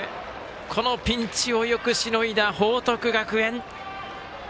このピンチをよくしのいだ報徳学園。